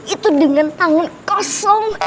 itu dengan tangan kosong